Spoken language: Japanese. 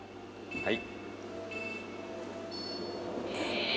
はい。